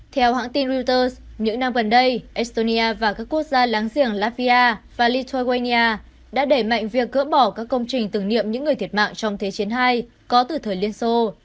theo hãng tin reuters những năm gần đây estonia và các quốc gia láng giềng latvia và litowelia đã đẩy mạnh việc gỡ bỏ các công trình tưởng niệm những người thiệt mạng trong thế chiến hai có từ thời liên xô